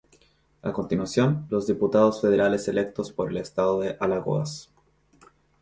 A continuación los diputados federales electos por el Estado de Alagoas.